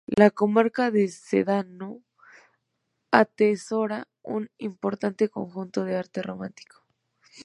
La comarca de Sedano atesora un importante conjunto de arte románico.